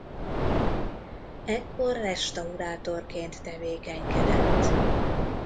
Ekkor restaurátorként tevékenykedett.